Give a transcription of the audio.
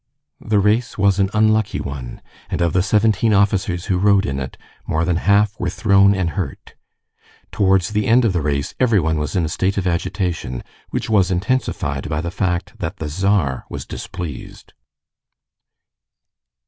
The race was an unlucky one, and of the seventeen officers who rode in it more than half were thrown and hurt. Towards the end of the race everyone was in a state of agitation, which was intensified by the fact that the Tsar was displeased.